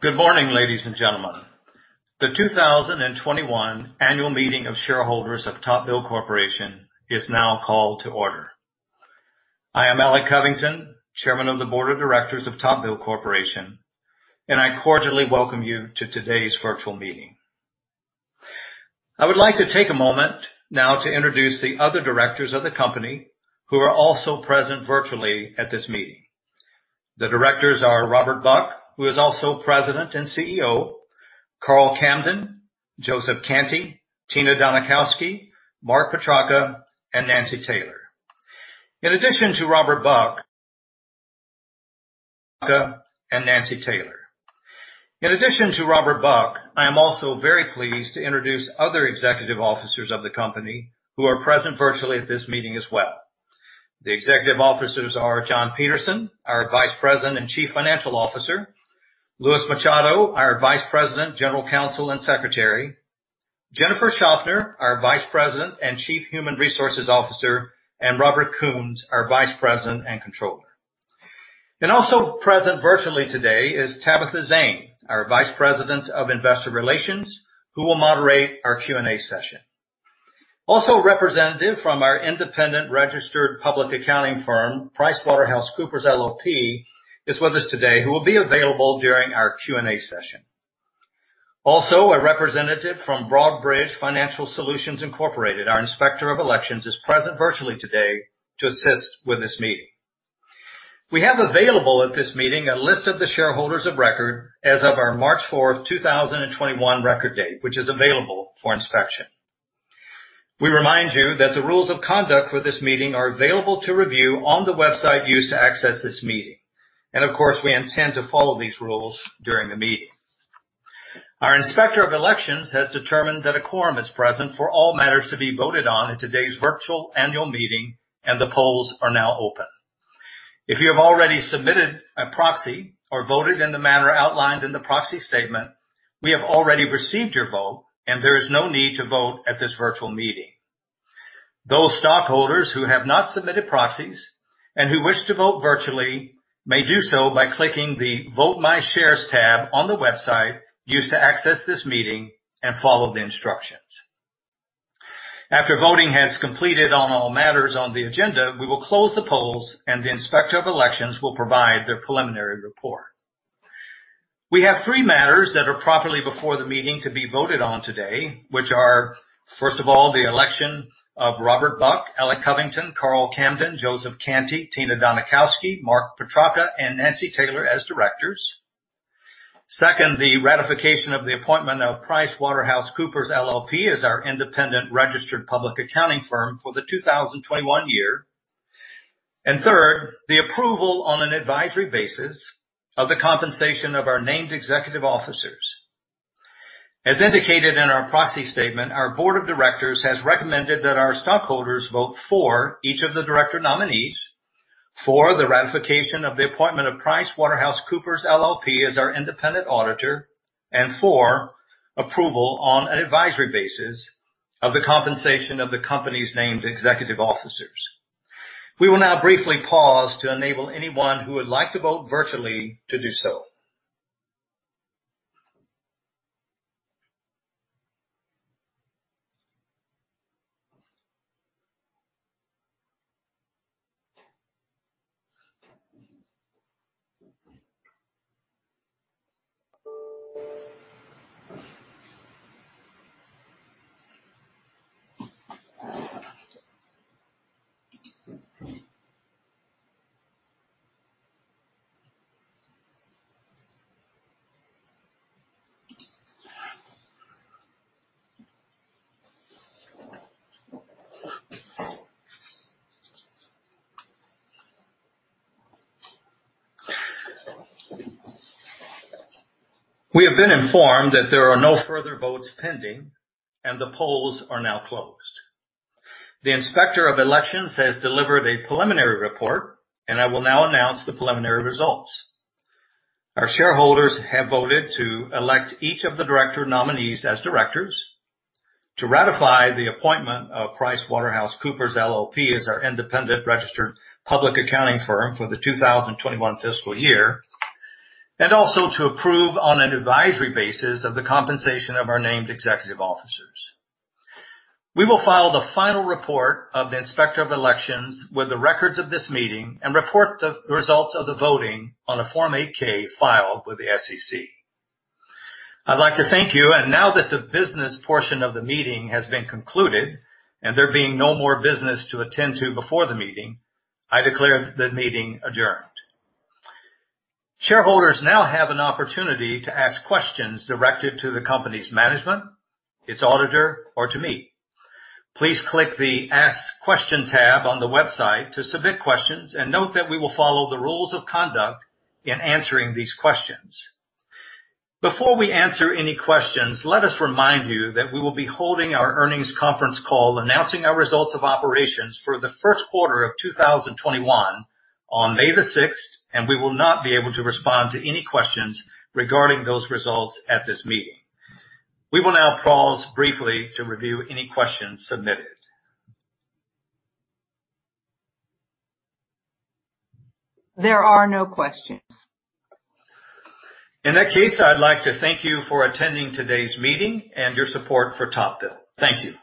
Good morning, ladies and gentlemen. The two thousand and twenty-one Annual Meeting of Shareholders of TopBuild Corporation is now called to order. I am Alec Covington, Chairman of the Board of Directors of TopBuild Corporation, and I cordially welcome you to today's virtual meeting. I would like to take a moment now to introduce the other directors of the company who are also present virtually at this meeting. The directors are Robert Buck, who is also President and CEO, Carl Camden, Joseph Cantie, Tina Donikowski, Mark Petrarca, and Nancy Taylor. In addition to Robert Buck, I am also very pleased to introduce other executive officers of the company who are present virtually at this meeting as well. The executive officers are John Peterson, our Vice President and Chief Financial Officer, Luis Machado, our Vice President, General Counsel and Secretary, Jennifer Schaffner, our Vice President and Chief Human Resources Officer, and Robert Kuhns, our Vice President and Controller. Also present virtually today is Tabitha Zane, our Vice President of Investor Relations, who will moderate our Q&A session. Also, a representative from our independent registered public accounting firm, PricewaterhouseCoopers, LLP, is with us today, who will be available during our Q&A session. Also, a representative from Broadridge Financial Solutions, Incorporated, our Inspector of Elections, is present virtually today to assist with this meeting. We have available at this meeting a list of the shareholders of record as of our March fourth, 2021 record date, which is available for inspection. We remind you that the rules of conduct for this meeting are available to review on the website used to access this meeting, and of course, we intend to follow these rules during the meeting. Our Inspector of Elections has determined that a quorum is present for all matters to be voted on in today's virtual annual meeting, and the polls are now open. If you have already submitted a proxy or voted in the manner outlined in the proxy statement, we have already received your vote, and there is no need to vote at this virtual meeting. Those stockholders who have not submitted proxies and who wish to vote virtually may do so by clicking the Vote My Shares tab on the website used to access this meeting and follow the instructions. After voting has completed on all matters on the agenda, we will close the polls, and the Inspector of Elections will provide their preliminary report. We have three matters that are properly before the meeting to be voted on today, which are, first of all, the election of Robert Buck, Alec Covington, Karl Camden, Joseph Canty, Tina Donakowski, Mark Petracca, and Nancy Taylor as directors. Second, the ratification of the appointment of PricewaterhouseCoopers LLP as our independent registered public accounting firm for the 2021 year. And third, the approval on an advisory basis of the compensation of our named executive officers. As indicated in our proxy statement, our board of directors has recommended that our stockholders vote for each of the director nominees for the ratification of the appointment of PricewaterhouseCoopers LLP as our independent auditor, and for approval on an advisory basis of the compensation of the company's named executive officers. We will now briefly pause to enable anyone who would like to vote virtually to do so. We have been informed that there are no further votes pending, and the polls are now closed. The Inspector of Elections has delivered a preliminary report, and I will now announce the preliminary results. Our shareholders have voted to elect each of the director nominees as directors, to ratify the appointment of PricewaterhouseCoopers LLP as our independent registered public accounting firm for the two thousand twenty-one fiscal year, and also to approve on an advisory basis of the compensation of our named executive officers. We will file the final report of the Inspector of Elections with the records of this meeting and report the results of the voting on a Form 8-K filed with the SEC. I'd like to thank you, and now that the business portion of the meeting has been concluded and there being no more business to attend to before the meeting, I declare the meeting adjourned. Shareholders now have an opportunity to ask questions directed to the company's management, its auditor, or to me. Please click the Ask Question tab on the website to submit questions, and note that we will follow the rules of conduct in answering these questions. Before we answer any questions, let us remind you that we will be holding our earnings conference call announcing our results of operations for the first quarter of two thousand twenty-one on May the sixth, and we will not be able to respond to any questions regarding those results at this meeting. We will now pause briefly to review any questions submitted. There are no questions. In that case, I'd like to thank you for attending today's meeting and your support for TopBuild. Thank you.